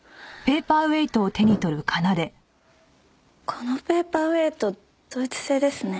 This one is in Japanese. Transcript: このペーパーウエートドイツ製ですね。